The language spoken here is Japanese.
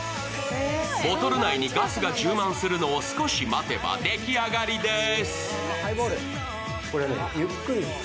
ボトル内にガスが充満するのを少し待てば出来上がりです。